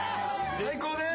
最高です！